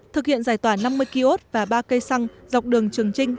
thực hiện giải tỏa năm mươi ki ốt và ba cây xăng dọc đường trường trinh